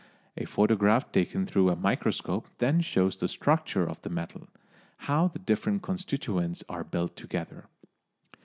A photograph taken through a microscope then shows the structure of the metal; how the different constituents are built together.